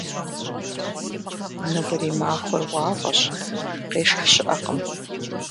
Нобэрей махуэр уэфӀащ, къешх щыӀакъым.